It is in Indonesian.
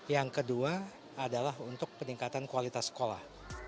yang kedua adalah untuk peningkatan kualitas sekolah